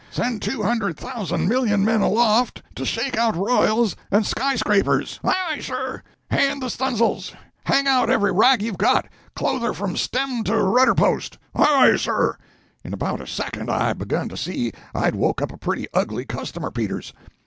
"Send two hundred thousand million men aloft to shake out royals and sky scrapers!" "Ay ay, sir!" "Hand the stuns'ls! Hang out every rag you've got! Clothe her from stem to rudder post!" "Ay ay, sir!" In about a second I begun to see I'd woke up a pretty ugly customer, Peters.